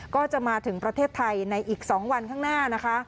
ก็จะมาถึงประเทศไทยในอีก๒วันข้างหน้านะคะ